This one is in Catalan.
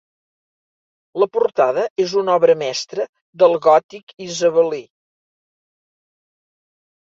La portada és una obra mestra del gòtic isabelí.